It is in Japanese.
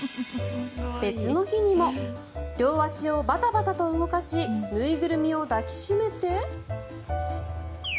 別の日にも両足をバタバタと動かし縫いぐるみを抱き締めて。